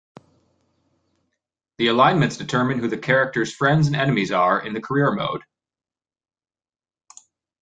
The alignments determine who the character's friends and enemies are in the career mode.